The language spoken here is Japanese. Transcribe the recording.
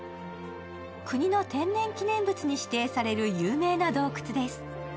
国の天然記念物に指定される有名な洞窟です。